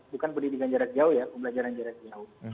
bukan pendidikan jarak jauh ya pembelajaran jarak jauh